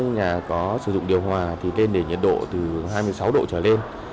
nhà có sử dụng điều hòa thì tên để nhiệt độ từ hai mươi sáu độ trở lên